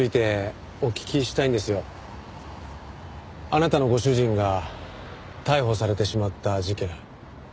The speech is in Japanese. あなたのご主人が逮捕されてしまった事件。